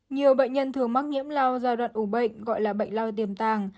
nhiều bệnh nhân thường mắc nhiễm lao giai đoạn ủ bệnh gọi là bệnh lao tiềm tàng